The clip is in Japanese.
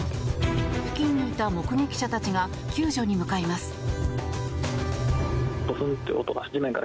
付近にいた目撃者たちが救助に向かいます。